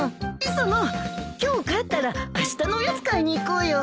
磯野今日帰ったらあしたのおやつ買いに行こうよ。